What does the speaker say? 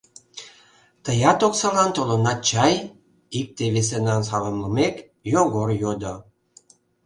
— Тыят оксалан толынат чай? — икте-весынам саламлымек, Йогор йодо.